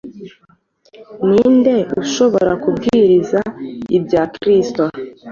Ni nde ushobora kubwiriza ibya Kristo